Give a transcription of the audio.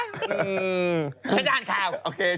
ชาดด้านข่าวกัน